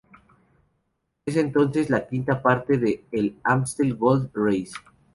Es entonces la quinta parte de la Amstel Gold Race.